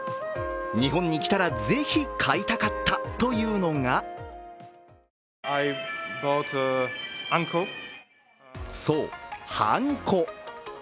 日本に来たらぜひ買いたかったというのがそう、はんこ。